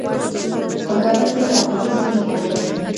په کابل کي فابریکې څنګه فعالیت کوي؟